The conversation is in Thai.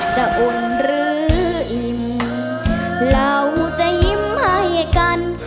อุ่นหรืออิ่มเราจะยิ้มให้กัน